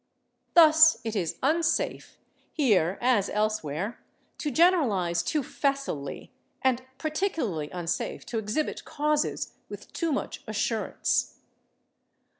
Thus it is unsafe, here as elsewhere, to generalize too facilely, and particularly unsafe to exhibit causes with too much assurance.